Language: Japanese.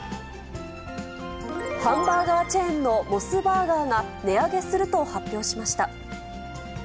ハンバーガーチェーンのモスバーガーが、値上げすると発表しました。